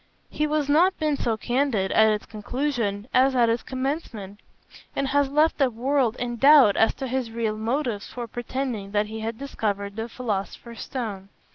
He has not been so candid at its conclusion as at its commencement, and has left the world in doubt as to his real motives for pretending that he had discovered the philosopher's stone.